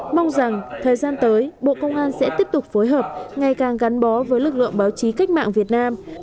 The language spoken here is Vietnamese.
mong rằng thời gian tới bộ công an sẽ tiếp tục phối hợp ngày càng gắn bó với lực lượng báo chí cách mạng việt nam